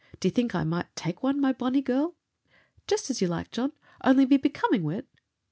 D'ye think I might tak' wan, my bonnie girl?" "Just as you like, John, only be becoming wi' it."